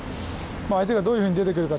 相手がどういうふうに出てくるか